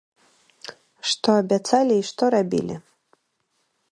Што абяцалі і што рабілі?